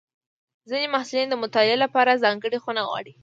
ځینې محصلین د مطالعې لپاره ځانګړې خونه غواړي.